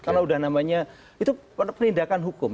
karena sudah namanya itu penindakan hukum